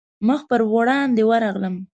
مخ پر وړاندې ورغلم.